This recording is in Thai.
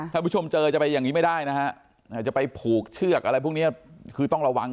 ท่านผู้ชมเจอจะไปอย่างนี้ไม่ได้นะฮะจะไปผูกเชือกอะไรพวกนี้คือต้องระวัง